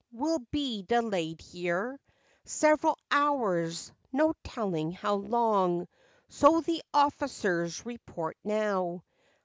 We 'll be delayed here Several hours. No telling how long," So the officers report now.